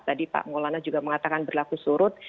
tadi pak ngo lanna juga mengatakan berlaku surut